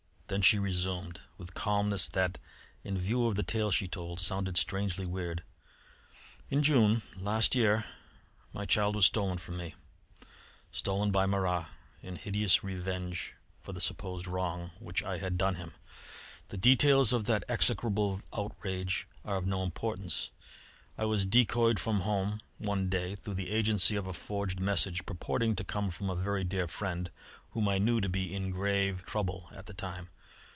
Then she resumed, with calmness that, in view of the tale she told, sounded strangely weird: "In June last year my child was stolen from me stolen by Marat in hideous revenge for the supposed wrong which I had done him. The details of that execrable outrage are of no importance. I was decoyed from home one day through the agency of a forged message purporting to come from a very dear friend whom I knew to be in grave trouble at the time.